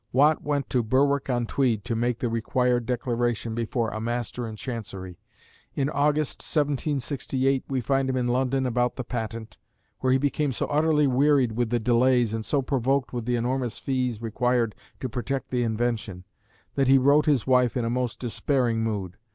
Watt went to Berwick on Tweed to make the required declaration before a Master in Chancery. In August, 1768, we find him in London about the patent, where he became so utterly wearied with the delays, and so provoked with the enormous fees required to protect the invention, that he wrote his wife in a most despairing mood.